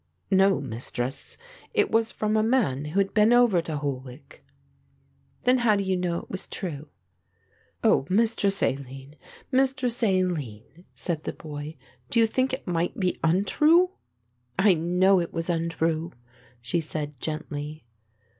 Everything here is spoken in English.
"No, Mistress, it was from a man who had been over to Holwick." "Then how do you know it was true?" "Oh, Mistress Aline, Mistress Aline," said the boy, "do you think it might be untrue?" "I know it was untrue," she said gently.